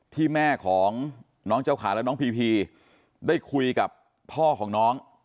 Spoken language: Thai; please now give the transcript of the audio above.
ที่แม่ของน้องเจ้าขาและน้องพีพีได้คุยกับพ่อของน้อง